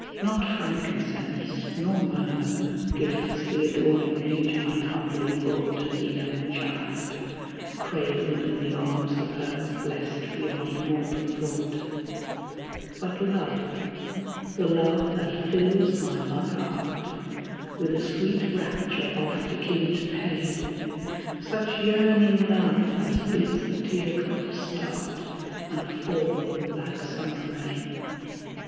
Not frankincense nor myrrh — Gifts the adoring Magi humbly brought The young child, cradled in the arms of her Blest beyond mortal thought ; But love — the love that fills my mother heart With a sweet rapture oft akin to pain ; Such yearning love as bids the tear drops start And fall like summer rain.